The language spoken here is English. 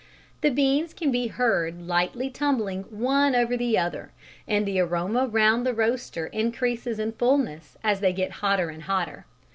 The beans can be heard lightly tumbling one over the other, and the aroma round the roaster increases in fullness as they get hotter and hotter.